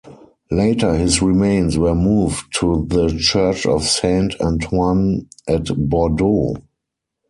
Later his remains were moved to the church of Saint Antoine at Bordeaux.